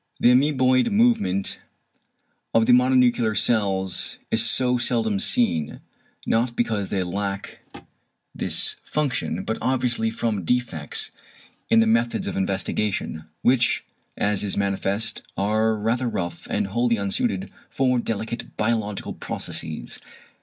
The amoeboid movement of the mononuclear cells is so seldom seen, not because they lack this function, but obviously from defects in the methods of investigation, which as is manifest are rather rough and wholly unsuited for delicate biological processes.